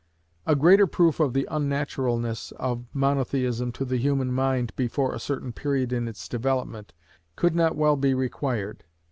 A greater proof of the unnaturalness of Monotheism to the human mind before a certain period in its development, could not well be required.